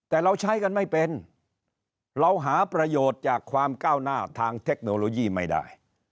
แต่เราใช้กันไม่เป็นเราหาประโยชน์จากความก้าวหน้าทางเทคโนโลยีไม่ได้